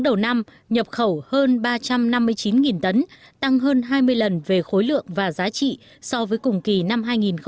đầu năm nhập khẩu hơn ba trăm năm mươi chín tấn tăng hơn hai mươi lần về khối lượng và giá trị so với cùng kỳ năm hai nghìn một mươi tám